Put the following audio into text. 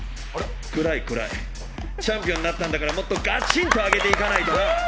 暗い暗い、チャンピオンになったんだからもっとガチンと上げていかないと。